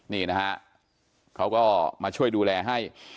นี่นะฮะเขาก็มาช่วยดูแลให้